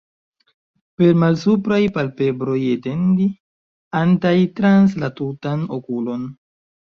Per malsupraj palpebroj etendi¸antaj trans la tutan okulon.